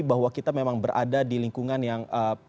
bahwa kita memang berada di lingkungan yang